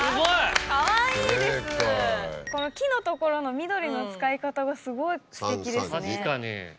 この木のところの緑の使い方がすごいすてきですね。